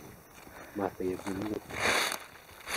Máte jednu minutu.